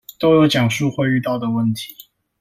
都有講述會遇到的問題